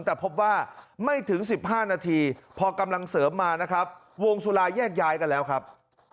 แต่พบว่าไม่ถึง๑๕นาทีพอกำลังเสริมมานะครับ